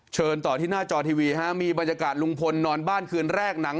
เชิญต่อที่หน้าจอทีวีฮะมีบรรยากาศลุงพลนอนบ้านคืนแรกหนัง